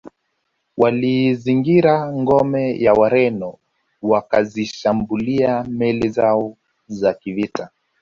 Waliizingira ngome ya Wareno wakazishambulia meli zao za kivita